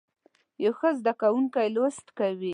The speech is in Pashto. یو ښه زده کوونکی لوست کوي.